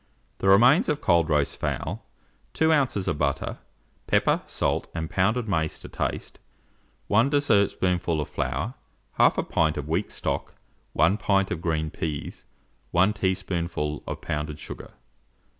The remains of cold roast fowl, 2 oz. of butter, pepper, salt, and pounded mace to taste, 1 dessertspoonful of flour, 1/2 pint of weak stock, 1 pint of green peas, 1 teaspoonful of pounded sugar.